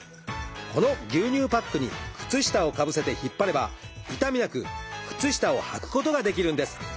この牛乳パックに靴下をかぶせて引っ張れば痛みなく靴下をはくことができるんです。